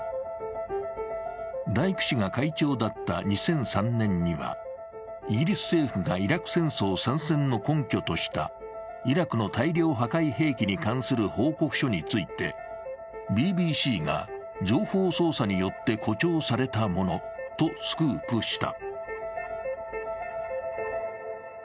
ダイク氏が会長だった２００３年には、イギリス政府がイラク戦争参戦の根拠としたイラクの大量破壊兵器に関する報告書についてＢＢＣが情報操作によって誇張されたものとスクープした。